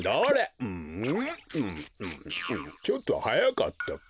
ちょっとはやかったか。